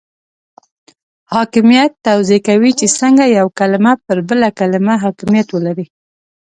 حاکمیت توضیح کوي چې څنګه یوه کلمه پر بله کلمه حاکمیت ولري.